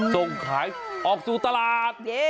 ส่งขายออกสู่ตลาด